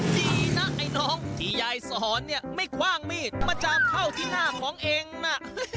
ดีนะไอ้น้องที่ยายสอนเนี่ยไม่คว่างมีดมาจามเข้าที่หน้าของเองน่ะ